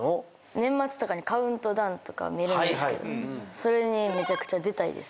年末に『カウントダウン』とか見るんですけどそれにめちゃくちゃ出たいです。